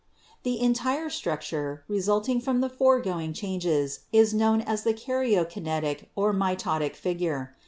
"The entire structure, resulting from the foregoing changes, is known as the karyokinetic or mitotic figure.